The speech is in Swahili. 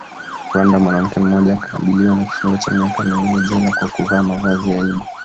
Rwanda Mwanamke mmoja akabiliwa na kifungo cha miaka miwili jela kwa kuvaa mavazi ya aibu